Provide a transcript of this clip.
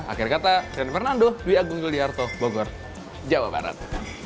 akhir kata fernando di agung goliarto bogor jawa barat